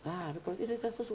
nah ada politik identitas